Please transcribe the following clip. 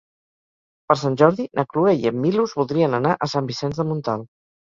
Per Sant Jordi na Cloè i en Milos voldrien anar a Sant Vicenç de Montalt.